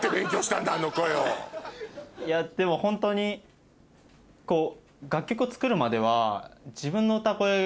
でもホントにこう。